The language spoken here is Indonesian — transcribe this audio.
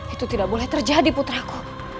itu tidak boleh terjadi putraku